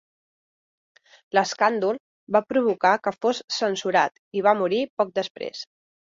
L'escàndol va provocar que fos censurat, i va morir poc després.